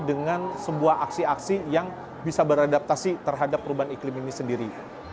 dengan sebuah aksi aksi yang bisa beradaptasi terhadap perubahan iklim ini sendiri